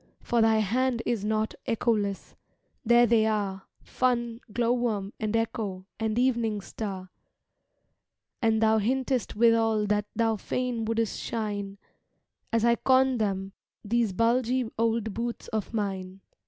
For thy hand is not Echoless—there they are Fun, Glowworm, and Echo, and Evening Star: And thou hintest withal that thou fain would'st shine, As I con them, these bulgy old boots of mine.